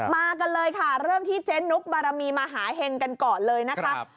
มากันเลยค่ะเริ่มที่เจ๊นุกบารมีมหาเห็งกันก่อนเลยนะคะ